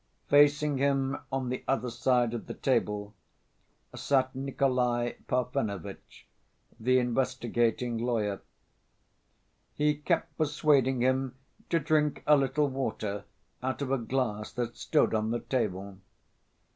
Facing him on the other side of the table sat Nikolay Parfenovitch, the investigating lawyer. He kept persuading him to drink a little water out of a glass that stood on the table.